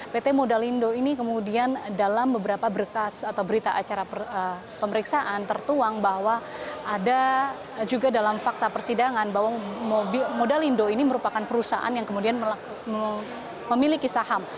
pt modalindo ini kemudian dalam beberapa berkas atau berita acara pemeriksaan tertuang bahwa ada juga dalam fakta persidangan bahwa modalindo ini merupakan perusahaan yang kemudian memiliki saham